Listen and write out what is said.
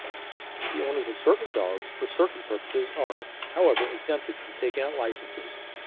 The owners of certain dogs for certain purposes are, however, exempted from taking out licences, viz.